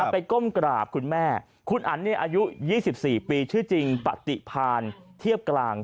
ก้มกราบคุณแม่คุณอันอายุ๒๔ปีชื่อจริงปฏิพานเทียบกลาง